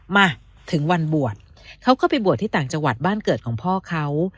มาถึงวันบวชเขาก็ไปบวชที่ต่างจังหวัดบ้านเกิดของพ่อเขา